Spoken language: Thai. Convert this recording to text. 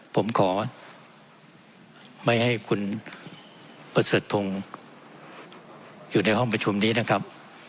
ผมขอไม่ให้คุณประเสริฐพงศ์อยู่ในห้องประชุมนี้นะครับ